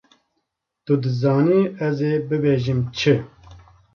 Tu dizanî ez ê bibêjim çi!